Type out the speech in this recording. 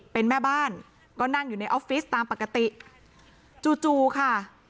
เป็นแม่บ้านก็นั่งอยู่ในออฟฟิศตามปกติจู่จู่ค่ะ